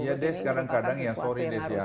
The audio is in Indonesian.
iya des kadang kadang ya sorry des ya